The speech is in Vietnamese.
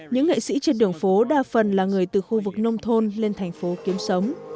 những nghệ sĩ trên đường phố đa phần là người từ khu vực nông thôn lên thành phố kiếm sống